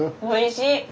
おいしい！